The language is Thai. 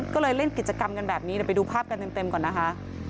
ก็เลยเล่นกิจกรรมกันแบบนี้เดี๋ยวไปดูภาพกันเต็มก่อนนะคะ